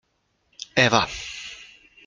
Ewa.